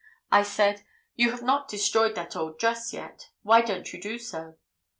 I said, 'You have not destroyed that old dress yet; why don't you do so?